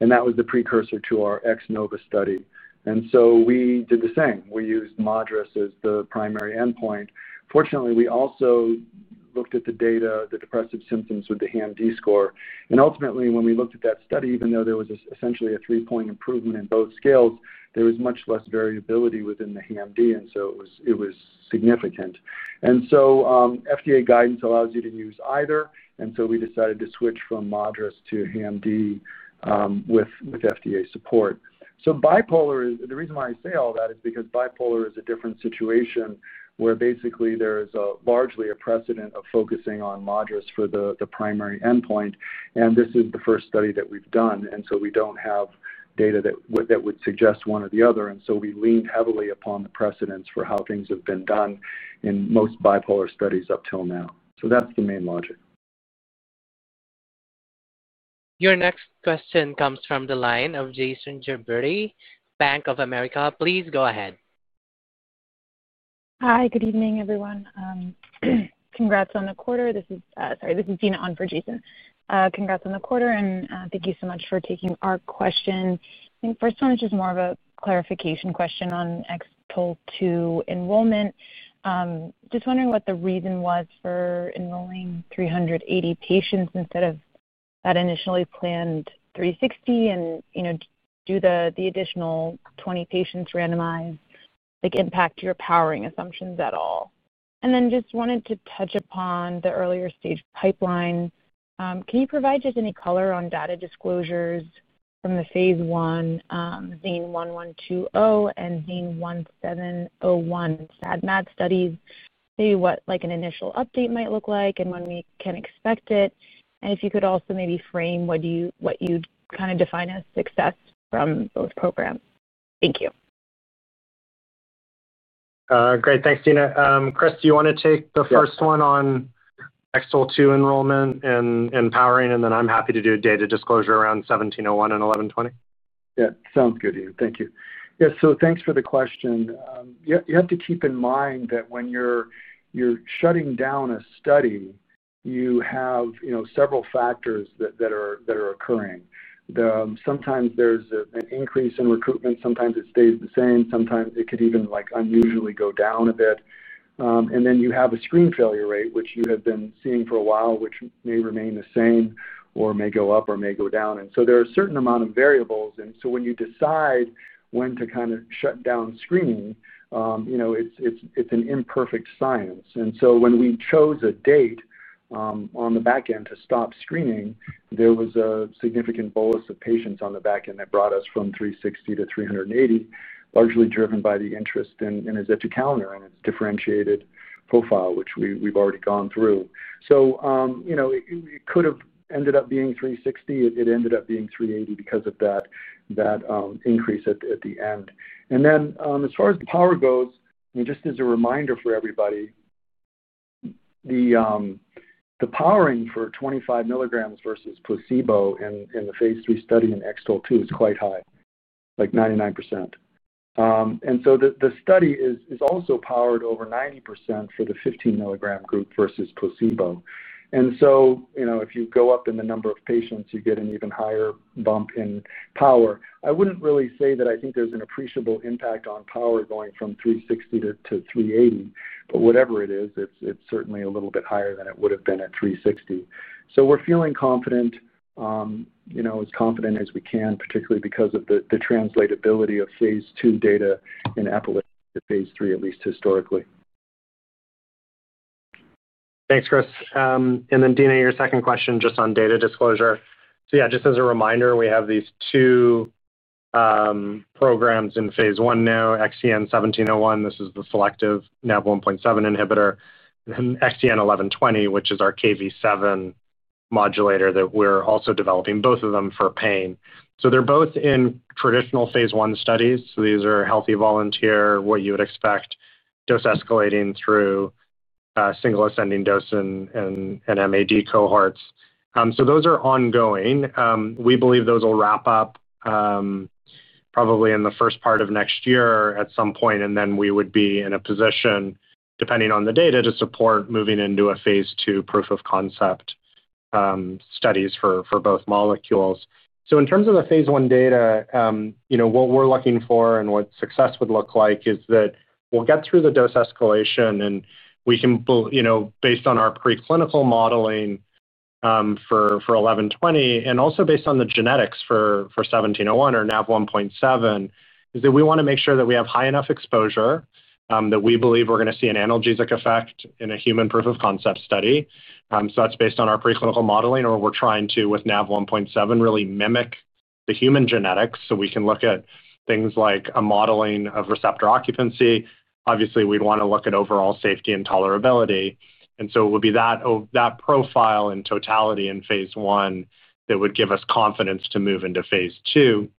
That was the precursor to our X-NOVA study. We did the same. We used MADRS as the primary endpoint. Fortunately, we also looked at the depressive symptoms with the HamD score. Ultimately, when we looked at that study, even though there was essentially a three-point improvement in both scales, there was much less variability within the HamD, and it was significant. FDA guidance allows you to use either. We decided to switch from MADRS to HamD, with FDA support. The reason why I say all that is because bipolar is a different situation where basically there is largely a precedent of focusing on MADRS for the primary endpoint. This is the first study that we've done, and we do not have data that would suggest one or the other. We leaned heavily upon the precedents for how things have been done in most bipolar studies up till now. That's the main logic. Your next question comes from the line of Jason Gerberry, Bank of America. Please go ahead. Hi. Good evening, everyone. Congrats on the quarter. Sorry. This is Dina on for Jason. Congrats on the quarter, and thank you so much for taking our question. I think the first one is just more of a clarification question on X-TOLE2 enrollment. Just wondering what the reason was for enrolling 380 patients instead of that initially planned 360, and do the additional 20 patients randomized impact your powering assumptions at all? Then just wanted to touch upon the earlier stage pipeline. Can you provide just any color on data disclosures from the phase I XEN1120 and XEN1701 SAD/MAD studies, maybe what an initial update might look like and when we can expect it? If you could also maybe frame what you'd kind of define as success from both programs. Thank you. Great. Thanks, Dina. Chris, do you want to take the first one on X-TOLE2 enrollment and powering? Then I'm happy to do a data disclosure around 1701 and 1120. Yeah. Sounds good, Ian. Thank you. Yeah. Thanks for the question. You have to keep in mind that when you're shutting down a study, you have several factors that are occurring. Sometimes there's an increase in recruitment. Sometimes it stays the same. Sometimes it could even unusually go down a bit. Then you have a screen failure rate, which you have been seeing for a while, which may remain the same or may go up or may go down. There are a certain amount of variables. When you decide when to kind of shut down screening. It's an imperfect science. When we chose a date on the back end to stop screening, there was a significant bolus of patients on the back end that brought us from 360 to 380, largely driven by the interest in azetukalner and its differentiated profile, which we've already gone through. It could have ended up being 360. It ended up being 380 because of that increase at the end. As far as power goes, just as a reminder for everybody, the powering for 25 mg versus placebo in the phase III study in X-TOLE2 is quite high, like 99%. The study is also powered over 90% for the 15 mg group versus placebo. If you go up in the number of patients, you get an even higher bump in power. I wouldn't really say that I think there's an appreciable impact on power going from 360 to 380. Whatever it is, it's certainly a little bit higher than it would have been at 360. We're feeling confident, as confident as we can, particularly because of the translatability of phase II data in epilepsy to phase III, at least historically. Thanks, Chris. Dina, your second question just on data disclosure. Just as a reminder, we have these two programs in phase I now, XEN1701. This is the selective Nav1.7 inhibitor. And XEN1120, which is our Kv7 modulator that we're also developing, both of them for pain. They're both in traditional phase I studies. These are healthy volunteer, what you would expect, dose escalating through single ascending dose and MAD cohorts. Those are ongoing. We believe those will wrap up probably in the first part of next year at some point. We would be in a position, depending on the data, to support moving into a phase II proof of concept studies for both molecules. In terms of the phase I data, what we're looking for and what success would look like is that we'll get through the dose escalation. We can, based on our preclinical modeling for 1120, and also based on the genetics for 1701 or Nav1.7, make sure that we have high enough exposure that we believe we're going to see an analgesic effect in a human proof of concept study. That's based on our preclinical modeling, or we're trying to, with Nav1.7, really mimic the human genetics. We can look at things like a modeling of receptor occupancy. Obviously, we'd want to look at overall safety and tolerability. It would be that profile in totality in phase I that would give us confidence to move into phase II.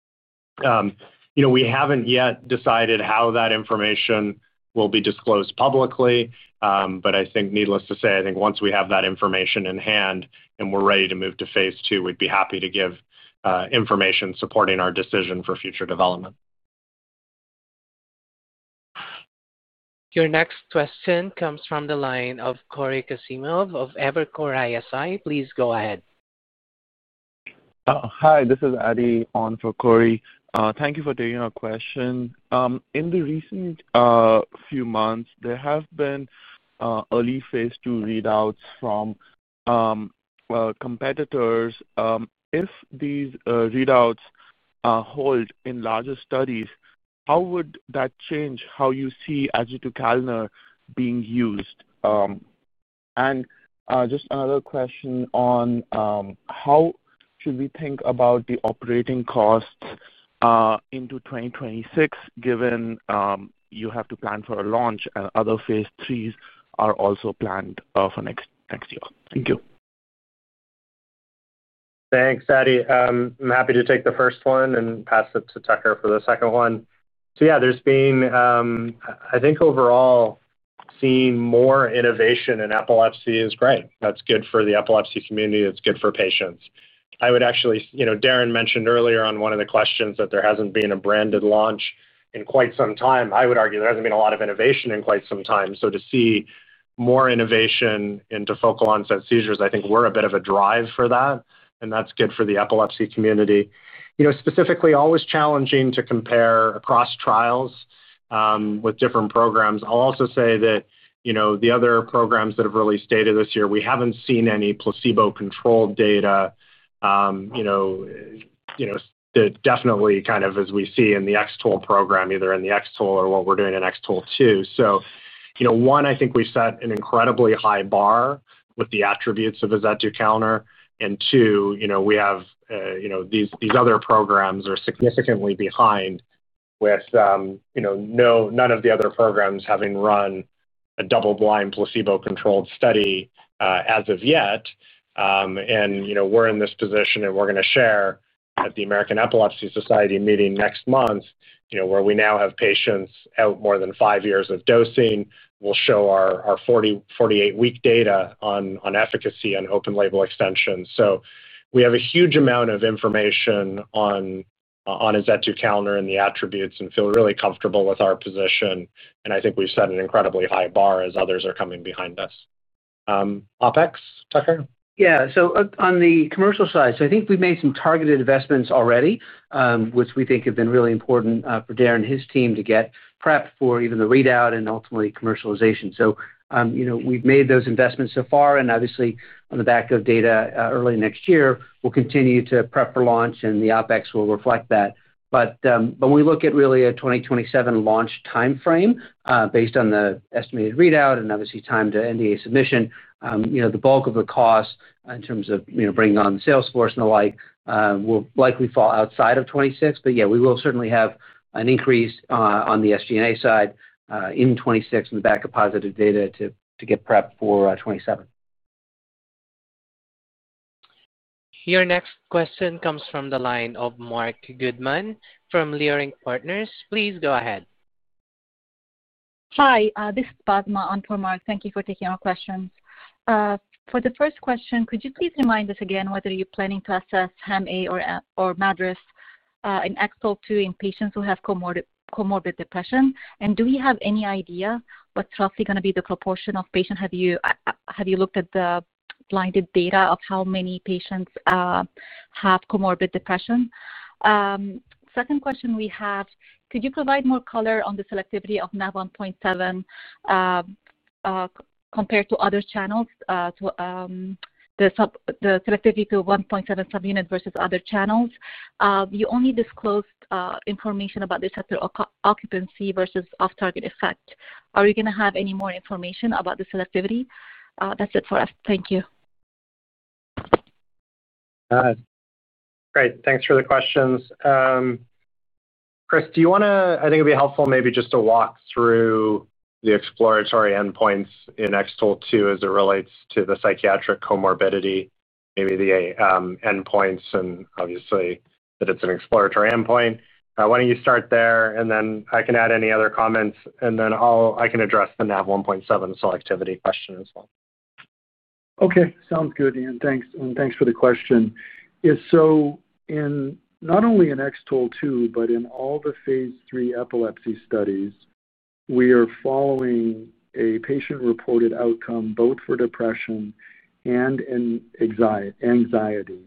We haven't yet decided how that information will be disclosed publicly. But I think needless to say, I think once we have that information in hand and we're ready to move to phase II, we'd be happy to give information supporting our decision for future development. Your next question comes from the line of Cory Kasimov of Evercore ISI. Please go ahead. Hi. This is Adi on for Cory. Thank you for taking our question. In the recent few months, there have been early phase II readouts from competitors. If these readouts hold in larger studies, how would that change how you see azetukalner being used? And just another question on how should we think about the operating costs into 2026, given you have to plan for a launch and other phase IIIs are also planned for next year? Thank you. Thanks, Adi. I'm happy to take the first one and pass it to Tucker for the second one. Yeah, there's been, I think overall, seeing more innovation in epilepsy is great. That's good for the epilepsy community. It's good for patients. I would actually—Darren mentioned earlier on one of the questions that there hasn't been a branded launch in quite some time. I would argue there hasn't been a lot of innovation in quite some time. To see more innovation into focal onset seizures, I think we're a bit of a drive for that. That's good for the epilepsy community. Specifically, always challenging to compare across trials with different programs. I'll also say that the other programs that have really stated this year, we haven't seen any placebo-controlled data. That definitely kind of, as we see in the X-TOLE program, either in the X-TOLE or what we're doing in X-TOLE2. One, I think we've set an incredibly high bar with the attributes of azetukalner. Two, we have these other programs are significantly behind, with none of the other programs having run a double-blind placebo-controlled study as of yet. We're in this position, and we're going to share at the American Epilepsy Society meeting next month where we now have patients out more than five years of dosing. We'll show our 48-week data on efficacy and open-label extensions. We have a huge amount of information on azetukalner and the attributes and feel really comfortable with our position. I think we've set an incredibly high bar as others are coming behind us. OpEx, Tucker? Yeah. On the commercial side, I think we've made some targeted investments already, which we think have been really important for Darren and his team to get prepped for even the readout and ultimately commercialization. We've made those investments so far. Obviously, on the back of data early next year, we'll continue to prep for launch, and the opex will reflect that. But when we look at really a 2027 launch timeframe, based on the estimated readout and obviously time to NDA submission, the bulk of the cost in terms of bringing on the sales force and the like will likely fall outside of 2026. Yeah, we will certainly have an increase on the SG&A side in 2026 on the back of positive data to get prepped for 2027. Your next question comes from the line of Mark Goodman from Leerink Partners. Please go ahead. Hi. This is Padma on for Mark. Thank you for taking our questions. For the first question, could you please remind us again whether you're planning to assess Ham-D or MADRS in X-TOLE2 in patients who have comorbid depression? Do we have any idea what's roughly going to be the proportion of patients? Have you looked at the blinded data of how many patients have comorbid depression? Second question we have, could you provide more color on the selectivity of Nav1.7 compared to other channels? The selectivity to 1.7 subunit versus other channels? You only disclosed information about the receptor occupancy versus off-target effect. Are you going to have any more information about the selectivity? That's it for us. Thank you. Great. Thanks for the questions. Chris, do you want to—I think it'd be helpful maybe just to walk through the exploratory endpoints in X-TOLE2 as it relates to the psychiatric comorbidity, maybe the endpoints, and obviously that it's an exploratory endpoint. Why don't you start there, and then I can add any other comments, and then I can address the Nav1.7 selectivity question as well. Okay. Sounds good, Ian. Thanks. And thanks for the question. Not only in X-TOLE2, but in all the phase III epilepsy studies, we are following a patient-reported outcome both for depression and anxiety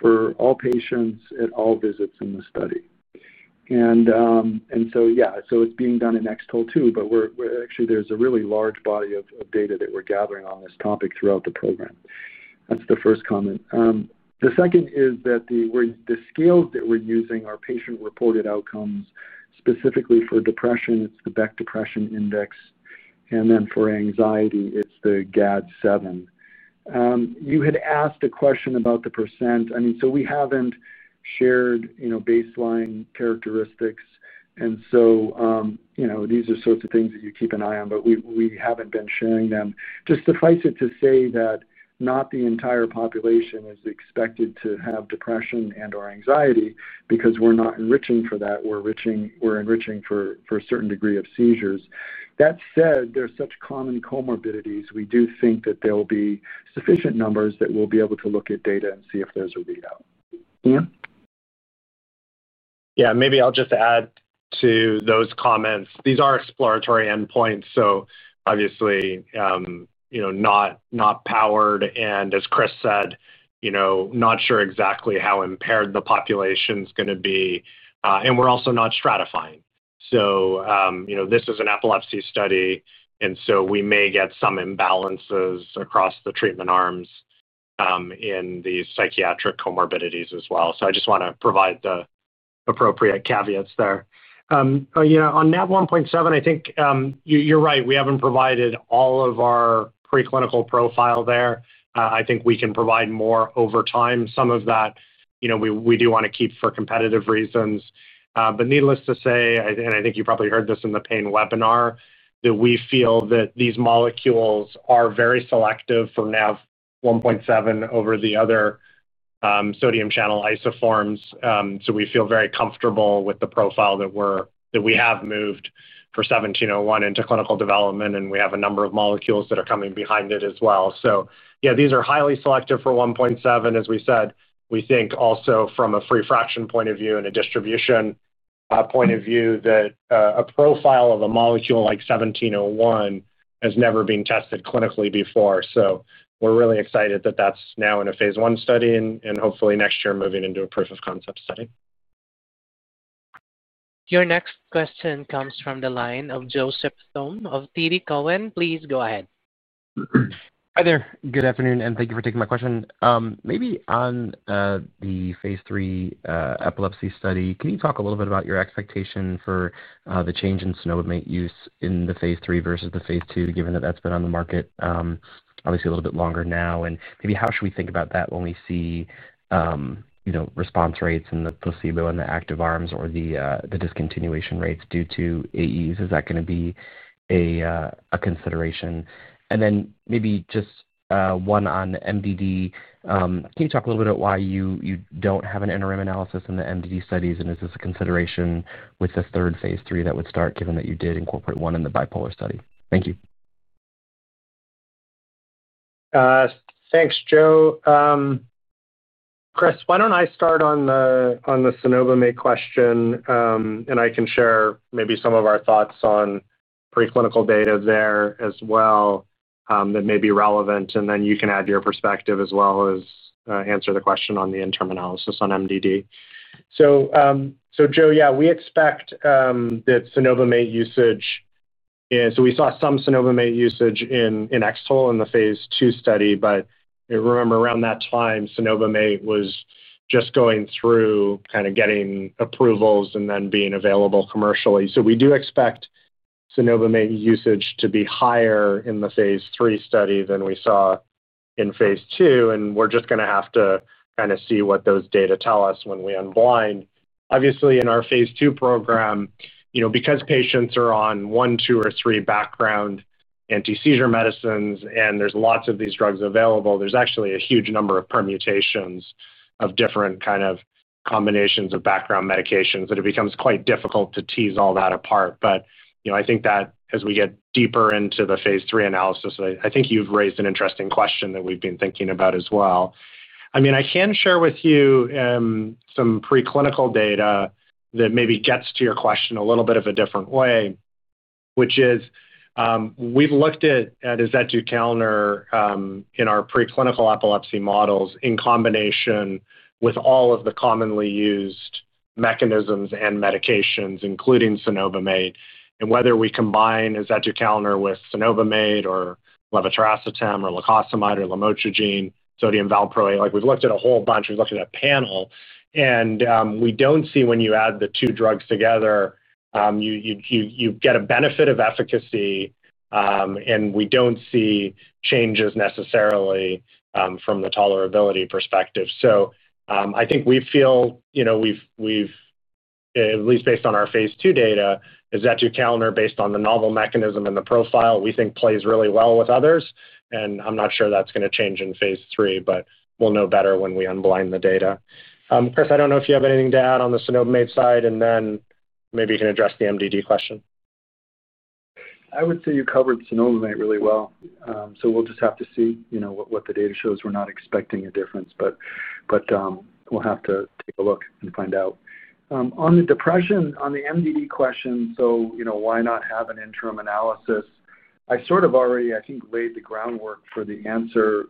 for all patients at all visits in the study. Yeah, it's being done in X-TOLE2, but actually, there's a really large body of data that we're gathering on this topic throughout the program. That's the first comment. The second is that the scales that we're using are patient-reported outcomes. Specifically for depression, it's the Beck Depression Index. For anxiety, it's the GAD-7. You had asked a question about the percent. We haven't shared baseline characteristics. These are sorts of things that you keep an eye on, but we haven't been sharing them. Just suffice it to say that not the entire population is expected to have depression and/or anxiety because we're not enriching for that. We're enriching for a certain degree of seizures. That said, they're such common comorbidities, we do think that there will be sufficient numbers that we'll be able to look at data and see if there's a readout. Ian? Maybe I'll just add to those comments. These are exploratory endpoints, so obviously not powered. As Chris said, not sure exactly how impaired the population is going to be. We're also not stratifying. This is an epilepsy study, and we may get some imbalances across the treatment arms in the psychiatric comorbidities as well. I just want to provide the appropriate caveats there. On Nav1.7, I think you're right. We haven't provided all of our preclinical profile there. I think we can provide more over time. Some of that we do want to keep for competitive reasons. Needless to say, and I think you probably heard this in the pain webinar, we feel that these molecules are very selective for Nav1.7 over the other sodium channel isoforms. We feel very comfortable with the profile that we have moved for 1701 into clinical development, and we have a number of molecules that are coming behind it as well. These are highly selective for 1.7. As we said, we think also from a free fraction point of view and a distribution point of view that a profile of a molecule like 1701 has never been tested clinically before. We're really excited that that's now in a phase I study and hopefully next year moving into a proof of concept study. Your next question comes from the line of Joseph Thome of TD Cowen. Please go ahead. Hi there. Good afternoon, and thank you for taking my question. Maybe on the phase III epilepsy study, can you talk a little bit about your expectation for the change in cenobamate use in the phase III versus the phase II, given that that's been on the market a little bit longer now? Maybe how should we think about that when we see response rates in the placebo and the active arms or the discontinuation rates due to AES? Is that going to be a consideration? Then just one on MDD. Can you talk a little bit about why you don't have an interim analysis in the MDD studies? Is this a consideration with this third phase III that would start, given that you did incorporate one in the bipolar study? Thank you. Thanks, Joe. Chris, why don't I start on the cenobamate question, and I can share maybe some of our thoughts on preclinical data there as well that may be relevant, and then you can add your perspective as well as answer the question on the interim analysis on MDD. Joe, we expect that cenobamate usage— We saw some cenobamate usage in X-TOLE in the phase II study. Remember, around that time, cenobamate was just going through getting approvals and then being available commercially. We do expect cenobamate usage to be higher in the phase III study than we saw in phase II. We're just going to have to see what those data tell us when we unblind. Obviously, in our phase II program, because patients are on one, two, or three background. Anti-seizure medicines, and there's lots of these drugs available, there's actually a huge number of permutations of different kind of combinations of background medications that it becomes quite difficult to tease all that apart. I think that as we get deeper into the phase III analysis, I think you've raised an interesting question that we've been thinking about as well. I mean, I can share with you some preclinical data that maybe gets to your question a little bit of a different way, which is, we've looked at azetukalner in our preclinical epilepsy models in combination with all of the commonly used mechanisms and medications, including cenobamate. Whether we combine azetukalner with cenobamate or levetiracetam or lacosamide or lamotrigine, sodium valproate, we've looked at a whole bunch. We've looked at a panel. We don't see when you add the two drugs together, you get a benefit of efficacy. We don't see changes necessarily from the tolerability perspective. I think we feel we've, at least based on our phase II data, azetukalner based on the novel mechanism and the profile, we think plays really well with others. I'm not sure that's going to change in phase III, but we'll know better when we unblind the data. Chris, I don't know if you have anything to add on the cenobamate side, and then maybe you can address the MDD question. I would say you covered cenobamate really well. We'll just have to see what the data shows. We're not expecting a difference, but we'll have to take a look and find out. On the depression, on the MDD question, why not have an interim analysis? I sort of already, I think, laid the groundwork for the answer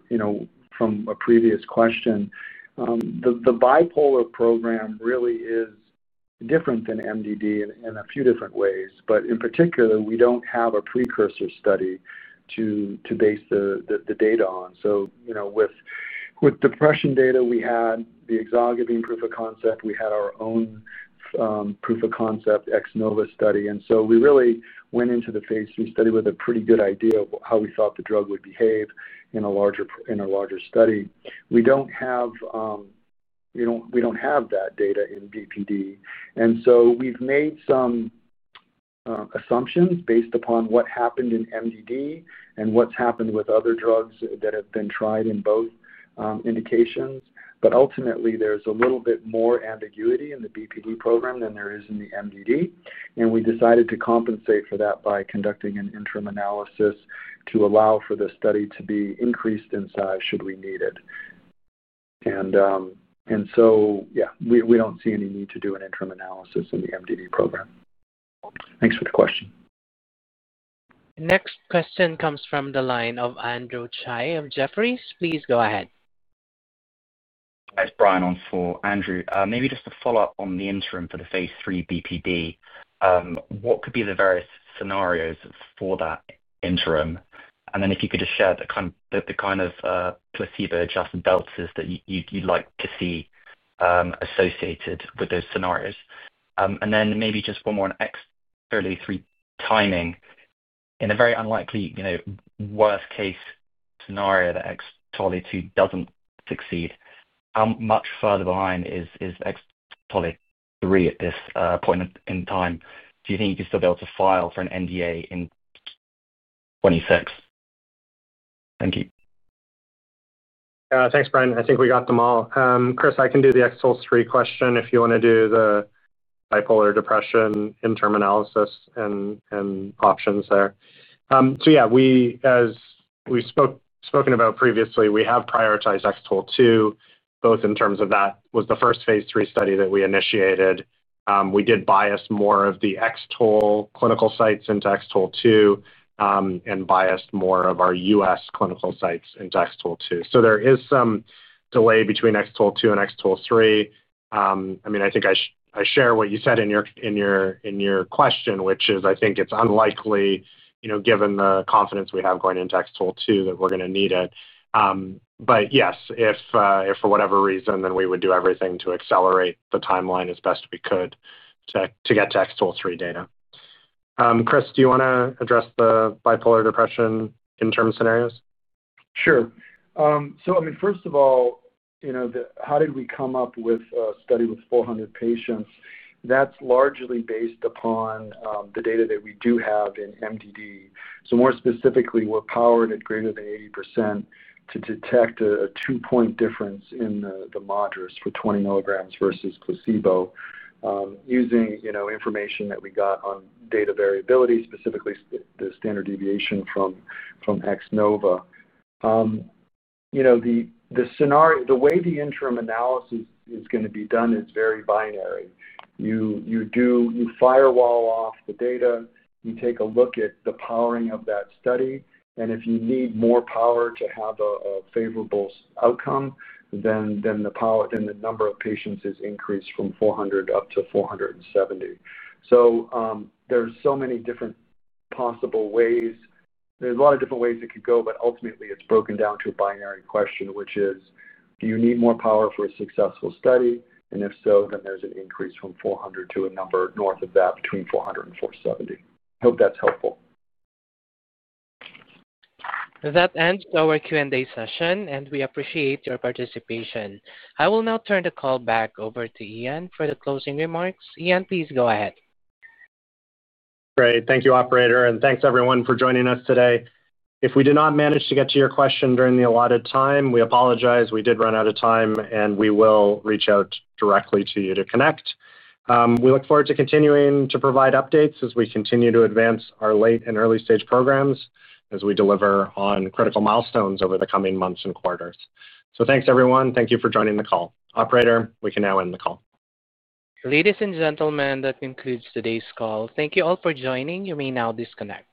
from a previous question. The bipolar program really is different than MDD in a few different ways. In particular, we don't have a precursor study to base the data on. With depression data, we had the exogenous proof of concept. We had our own proof of concept ex novo study. We really went into the phase III study with a pretty good idea of how we thought the drug would behave in a larger study. We don't have that data in BPD. We've made some assumptions based upon what happened in MDD and what's happened with other drugs that have been tried in both indications. Ultimately, there's a little bit more ambiguity in the BPD program than there is in the MDD. We decided to compensate for that by conducting an interim analysis to allow for the study to be increased in size should we need it. We don't see any need to do an interim analysis in the MDD program. Thanks for the question. Next question comes from the line of Andrew Chai of Jefferies. Please go ahead. Hi, Brian here for Andrew. Maybe just to follow up on the interim for the phase III BPD. What could be the various scenarios for that interim? And then if you could just share the kind of placebo-adjusted deltas that you'd like to see associated with those scenarios. And then maybe just one more on X-TOLE3 timing. In a very unlikely, worst-case scenario that X-TOLE2 doesn't succeed, how much further behind is X-TOLE3 at this point in time? Do you think you'd still be able to file for an NDA in 2026? Thank you. Thanks, Brian. I think we got them all. Chris, I can do the X-TOLE3 question if you want to do the bipolar depression interim analysis and options there. Yeah, as we've spoken about previously, we have prioritized X-TOLE both in terms of that was the first phase III study that we initiated. We did bias more of the X-TOLE clinical sites into X-TOLE2 and biased more of our U.S. clinical sites into X-TOLE2. There is some delay between X-TOLE2 and X-TOLE3. I mean, I think I share what you said in your question, which is I think it's unlikely, given the confidence we have going into X-TOLE2, that we're going to need it. But yes, if for whatever reason, then we would do everything to accelerate the timeline as best we could to get to X-TOLE3 data. Chris, do you want to address the bipolar depression interim scenarios? Sure. First of all, how did we come up with a study with 400 patients? That's largely based upon the data that we do have in MDD. More specifically, we're powered at greater than 80% to detect a two-point difference in the moderates for 20 mg versus placebo, using information that we got on data variability, specifically the standard deviation from X-NOVA. The way the interim analysis is going to be done is very binary. You firewall off the data, you take a look at the powering of that study, and if you need more power to have a favorable outcome, then the number of patients is increased from 400 up to 470. There are so many different possible ways, a lot of different ways it could go, but ultimately, it's broken down to a binary question, which is, do you need more power for a successful study? If so, then there's an increase from 400 to a number north of that between 400 and 470. I hope that's helpful. With that, ends our Q&A session, and we appreciate your participation. I will now turn the call back over to Ian for the closing remarks. Ian, please go ahead. Great. Thank you, operator. And thanks, everyone, for joining us today. If we did not manage to get to your question during the allotted time, we apologize. We did run out of time, and we will reach out directly to you to connect. We look forward to continuing to provide updates as we continue to advance our late and early-stage programs as we deliver on critical milestones over the coming months and quarters. Thanks, everyone. Thank you for joining the call. Operator, we can now end the call. Ladies and gentlemen, that concludes today's call. Thank you all for joining. You may now disconnect.